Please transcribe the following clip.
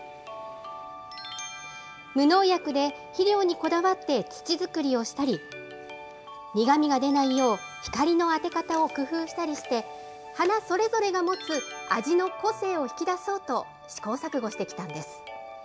無農薬で、肥料にこだわって土作りをしたり、苦みが出ないよう、光の当て方を工夫したりして、花それぞれが持つ味の個性を引き出そうと試行錯誤してきたんです。